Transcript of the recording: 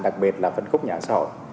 đặc biệt là phân khúc nhà xã hội